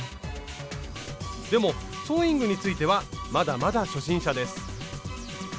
でもソーイングについてはまだまだ初心者です。